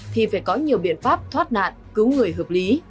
thì phải có nhiều biện pháp thoát nạn cứu người hợp lý